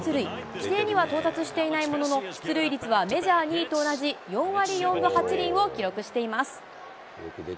規定には到達していないものの出塁率はメジャー２位と同じ４割４分８厘を記録しています。